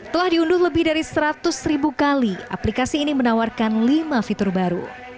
telah diunduh lebih dari seratus ribu kali aplikasi ini menawarkan lima fitur baru